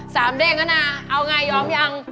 สามเล่นนะเอายอมยัง